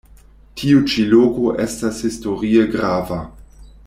Tiu ĉi loko estas historie grava.